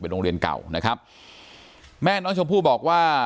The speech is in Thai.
โรงเรียนเก่านะครับแม่น้องชมพู่บอกว่า